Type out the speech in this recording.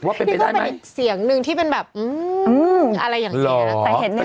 นี่ก็เป็นอีกเสียงนึงที่เป็นแบบอะไรอย่างนี้